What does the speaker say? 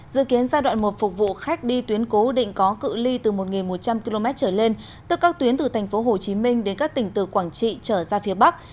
dự kiến giai đoạn một phục vụ khách đi tuyến cố định có cự li từ một một trăm linh km trở lên tức các tuyến từ tp hcm đến các tỉnh từ quảng trị trở ra phía bắc